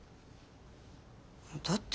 だって。